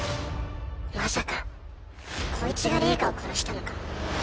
まさかこいつが玲香を殺したのか？